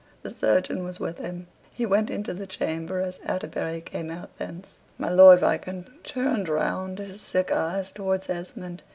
The surgeon was with him. He went into the chamber as Atterbury came out thence. My Lord Viscount turned round his sick eyes towards Esmond.